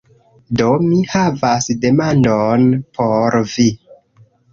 Do, mi havas demandon por vi